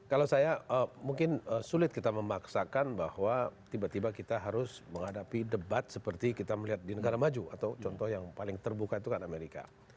kalau saya mungkin sulit kita memaksakan bahwa tiba tiba kita harus menghadapi debat seperti kita melihat di negara maju atau contoh yang paling terbuka itu kan amerika